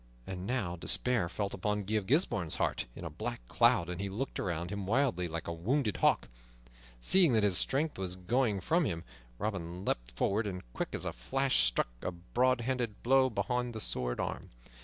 And now despair fell upon Guy of Gisbourne's heart in a black cloud, and he looked around him wildly, like a wounded hawk. Seeing that his strength was going from him, Robin leaped forward, and, quick as a flash, struck a back handed blow beneath the sword arm.